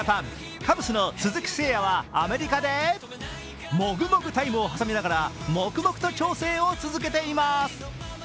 カブスの鈴木誠也はアメリカでモグモグタイムを挟みながら黙々と調整を進めています。